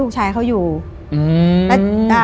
๒ชั้น